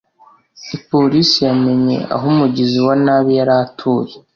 Polisi yamenye aho umugizi wa nabi yari atuye.